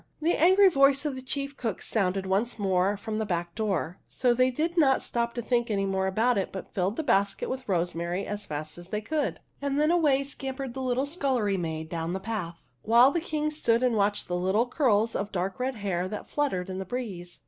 The angry voice of the chief cook sounded once more from the back door, so they did not stop to think any more about it but filled the basket with rosemary as fast as they could ; THE HUNDREDTH PRINCESS 61, and then away scampered the little scullery maid down the path, while the King stood and watched the little curls of dark red hair that fluttered in the breeze.